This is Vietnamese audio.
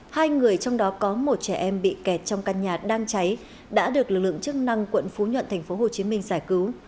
hai người trong đó có một trẻ em bị kẹt trong căn nhà đang cháy đã được lực lượng chức năng quận phú nhuận tp hcm giải cứu